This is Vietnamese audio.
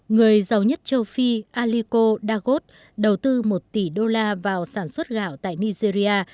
người giàu nhất châu phi aliko dagos đầu tư một tỷ đô la vào sản xuất gạo tại nigeria